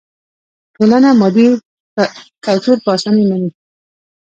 ټولنه مادي کلتور په اسانۍ مني.